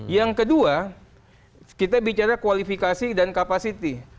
yang kedua kita bicara kualifikasi dan kapasiti